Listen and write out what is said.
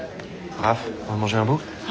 ああ。